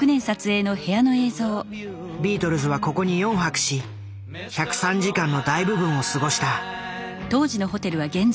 ビートルズはここに４泊し１０３時間の大部分を過ごした。